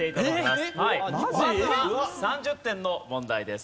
まずは３０点の問題です。